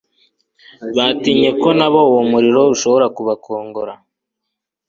Batinye ko na bo uwo muriro ushobora kubakongora